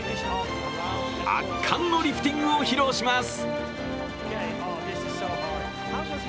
圧巻のリフティングを披露します。